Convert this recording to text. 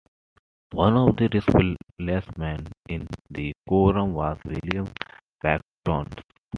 One of the replacements in the Quorum was William Bickerton.